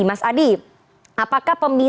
mas adi apakah pemilihan